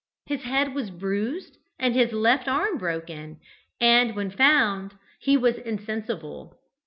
His head was bruised and his left arm broken, and, when found, he was insensible.